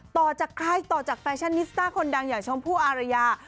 ต่อจากใครต่อจากแฟชั่นนิสต้าคนดังอย่างชมพู่อารยา